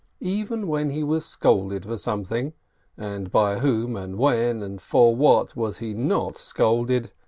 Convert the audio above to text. Even when he was scolded for something (and by whom and when and for what was he not scolded?)